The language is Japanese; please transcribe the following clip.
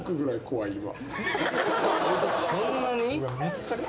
そんなに？